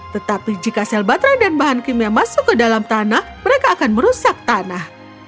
tetapi jika sel baterai dan bahan kimia masuk ke dalam tanah mereka akan merusak tanah